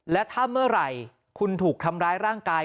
และถ้าเมื่อไหร่คุณถูกทำร้ายร่างกาย